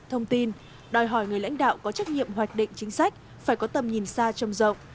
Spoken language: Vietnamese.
thông tin đòi hỏi người lãnh đạo có trách nhiệm hoạch định chính sách phải có tầm nhìn xa trông rộng